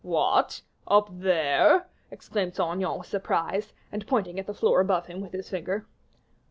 "What! up there," exclaimed Saint Aignan, with surprise, and pointing at the floor above him with his finger.